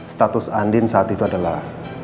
status andin saat itu adalah